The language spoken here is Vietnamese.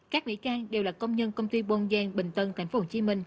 các mỹ cang đều là công nhân công ty puyen bình tân tp hcm